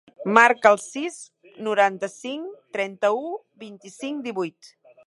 Marca el sis, noranta-cinc, trenta-u, vint-i-cinc, divuit.